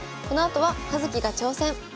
このあとは「葉月が挑戦！」。